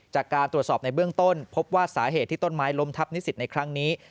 จากการตรวจสอบในเบื้องต้นพบว่าสาเหตุที่ต้นไม้ล้มทับนิสิตในครั้งนี้